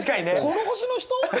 この星の人？